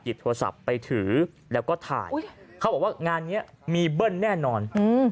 โทรศัพท์ไปถือแล้วก็ถ่ายเขาบอกว่างานนี้มีเบิ้ลแน่นอน